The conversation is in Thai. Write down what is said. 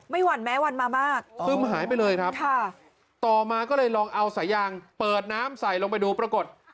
หวั่นแม้วันมามากซึมหายไปเลยครับค่ะต่อมาก็เลยลองเอาสายยางเปิดน้ำใส่ลงไปดูปรากฏ